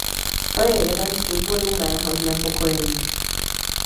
To je jeden z důvodů mého znepokojení.